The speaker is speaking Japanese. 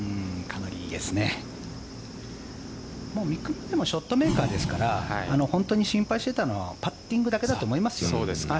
夢もショットメーカーですから心配していたのはパッティングだけだと思いますよ。